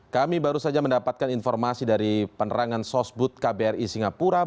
kami baru saja mendapatkan informasi dari penerangan sosbud kbri singapura